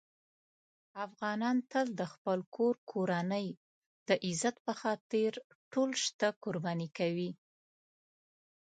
افغانان تل د خپل کور کورنۍ د عزت په خاطر ټول شته قرباني کوي.